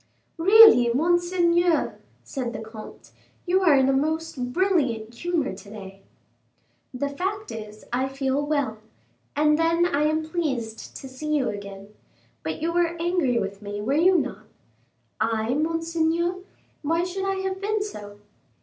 "Really, monseigneur," said the comte, "you are in a most brilliant humor to day." "The fact is, I feel well, and then I am pleased to see you again. But you were angry with me, were you not?" "I, monseigneur? Why should I have been so?"